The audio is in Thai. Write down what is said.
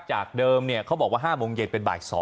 จากเดิมเขาบอกว่า๕โมงเย็นเป็นบ่าย๒